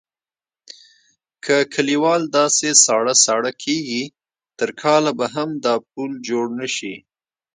که کیوال داسې ساړه ساړه کېږي تر کاله به هم د پول جوړ نشي.